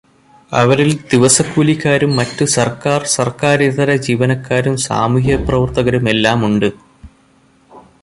അവരിൽ ദിവസക്കൂലിക്കാരും മറ്റു സർക്കാർ, സർക്കാരിതരജീവനക്കാരും സാമൂഹ്യപ്രവർത്തകരും എല്ലാം ഉണ്ട്.